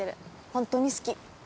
本当に好き。